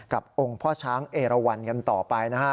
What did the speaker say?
องค์พ่อช้างเอราวันกันต่อไปนะฮะ